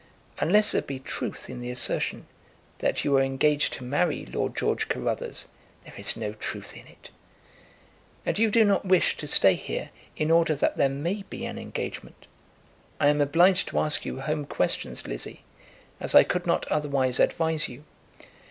"Unless there be truth in the assertion that you are engaged to marry Lord George Carruthers." "There is no truth in it." "And you do not wish to stay here in order that there may be an engagement? I am obliged to ask you home questions, Lizzie, as I could not otherwise advise you."